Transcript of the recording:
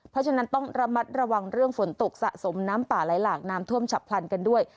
เพราะฉะนั้นต้องระมัดระวังเรื่องฝนตกสะสมน้ำป่าไหลหลากน้ำท่วมฉับพลันกันด้วย